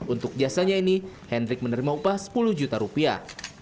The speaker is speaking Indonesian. untuk jasanya ini hendrik menerima upah sepuluh juta rupiah